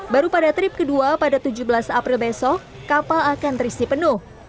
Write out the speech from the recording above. baru pada trip kedua pada tujuh belas april besok kapal akan terisi penuh